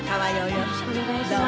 よろしくお願いします。